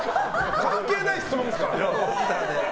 関係ない質問ですから！